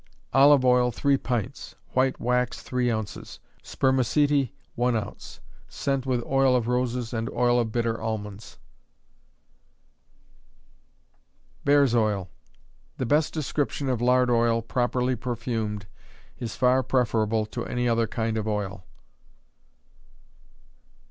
Olive oil, 3 pints; white wax, 3 ounces; spermaceti, 1 ounce; scent with oil of roses and oil of bitter almonds. Bears' Oil. The best description of lard oil, properly perfumed, is far preferable to any other kind of oil.